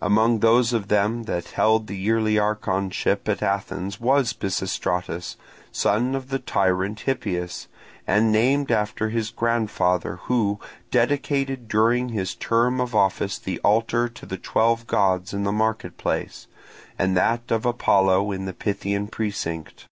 Among those of them that held the yearly archonship at Athens was Pisistratus, son of the tyrant Hippias, and named after his grandfather, who dedicated during his term of office the altar to the twelve gods in the market place, and that of Apollo in the Pythian precinct.